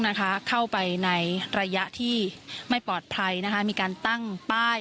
เข้าไปในระยะที่ไม่ปลอดภัยนะคะมีการตั้งป้าย